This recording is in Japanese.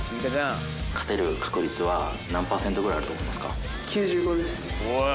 勝てる確率は何％ぐらいあると思いますか？